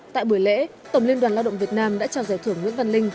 tại buổi lễ tổng liên đoàn lao động việt nam đã trao giải thưởng nguyễn văn linh